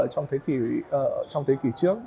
trong thế kỷ trước